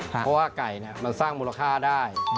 เพราะว่าไก่มันสร้างมูลค่าได้